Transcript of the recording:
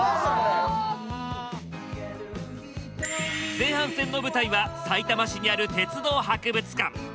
前半戦の舞台はさいたま市にある鉄道博物館。